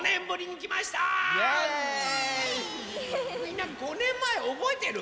みんな５ねんまえおぼえてる？